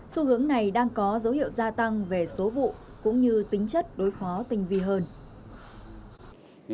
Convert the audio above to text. xu hướng này đang có dấu hiệu gia tăng về số vụ cũng như tính chất đối phó tình vi hơn